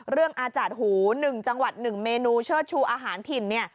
อาจารย์หู๑จังหวัด๑เมนูเชิดชูอาหารถิ่น